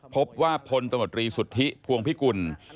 พบว่าพลตำรวจรีสุธิพวงพิกุล